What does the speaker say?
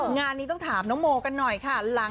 งานนี้ต้องถามน้องโมกันหน่อยค่ะ